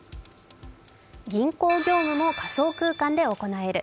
銀行業務も仮想空間で行える。